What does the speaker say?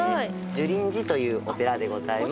樹林寺というお寺でございます。